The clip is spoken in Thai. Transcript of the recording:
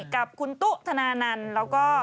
กับคุณตุ๊บรุพธนานาฬ